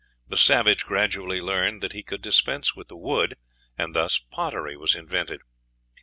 The savage gradually learned that he could dispense with the wood, and thus pottery was invented.